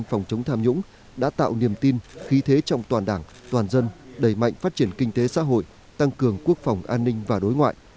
phòng chống tham nhũng đã tạo niềm tin khí thế trong toàn đảng toàn dân đẩy mạnh phát triển kinh tế xã hội tăng cường quốc phòng an ninh và đối ngoại